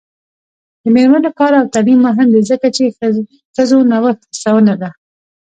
د میرمنو کار او تعلیم مهم دی ځکه چې ښځو نوښت هڅونه ده.